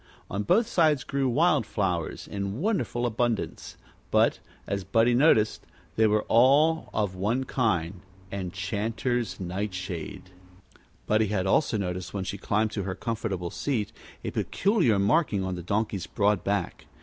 On both sides grew wild flowers in wonderful abundance, but, as Buddie noticed, they were all of one kind Enchanter's Nightshade. Buddie had also noticed, when she climbed to her comfortable seat, a peculiar marking on the Donkey's broad back.